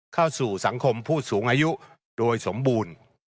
เข้าสู่สังคมผู้สูงอายุโดยสมบูรณ์